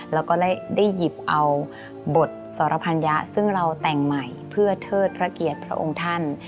แล้วก็ได้หยิบเอาบทสรพัญญะซึ่งเราแต่งใหม่เพื่อเทิดพระเกียรติพระองค์ท่าน